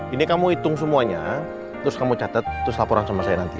ini kamu hitung semuanya terus kamu catat terus laporan sama saya nanti